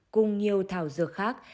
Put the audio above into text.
cùng nhiều thảo dược khác